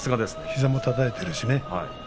膝もたたいているしね。